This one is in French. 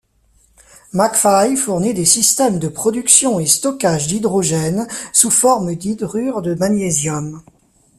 McPhy fournit des systèmes de production et stockage d'hydrogène sous forme d'hydrure de magnésium.